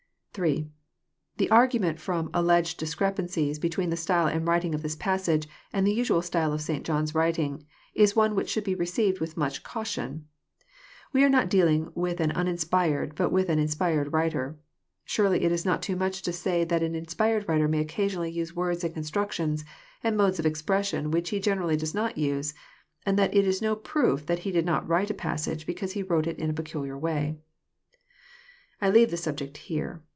8. The argument from alleged discrepancies between the style and language of this passage, and the usual style of St. John's writing, is one which should be received with much caution. We are not dealing with an uninspired but with an inspired writer. Surely it is not too much to say that an in spired writer may occasionally use words and constructions and modes of expression which he generally does not use, and that it is no proof that he did not write a passage because he wrote it in a peculiar way. I leave the subject here.